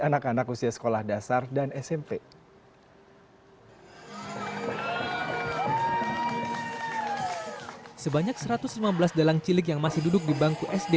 anak anak usia sekolah dasar dan smp sebanyak satu ratus lima belas dalang cilik yang masih duduk di bangku sd